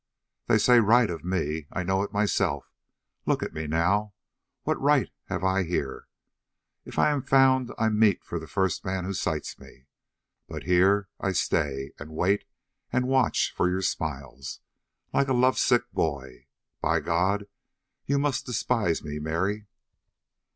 "They say right of me. I know it myself. Look at me now. What right have I here? If I'm found I'm the meat of the first man who sights me, but here I stay, and wait and watch for your smiles like a love sick boy. By God, you must despise me, Mary!"